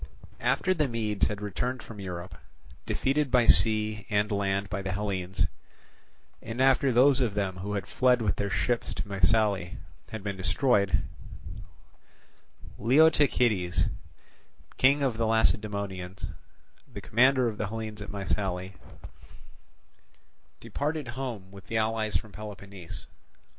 After the Medes had returned from Europe, defeated by sea and land by the Hellenes, and after those of them who had fled with their ships to Mycale had been destroyed, Leotychides, king of the Lacedaemonians, the commander of the Hellenes at Mycale, departed home with the allies from Peloponnese.